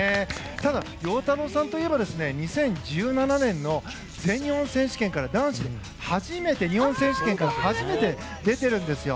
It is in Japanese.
ただ、陽太郎さんといえば２０１７年の全日本選手権から日本選手権から初めて男子で出てるんですよ。